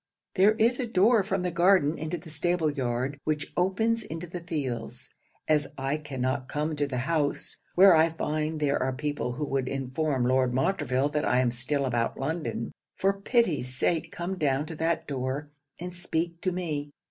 'There is a door from the garden into the stable yard, which opens into the fields. As I cannot come to the house (where I find there are people who would inform Lord Montreville that I am still about London,) for pity's sake come down to that door and speak to me.